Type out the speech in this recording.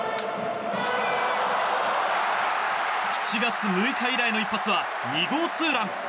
７月６日以来の一発は２号ツーラン。